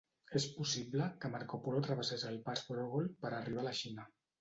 És possible que Marco Polo travessés el pas Broghol per arribar a la Xina.